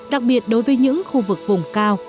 đặc biệt đối với những khu vực vùng cao